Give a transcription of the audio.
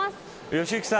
良幸さん